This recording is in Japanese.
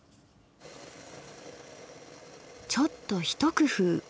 ちょっとひと工夫。